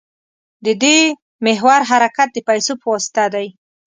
د دې محور حرکت د پیسو په واسطه دی.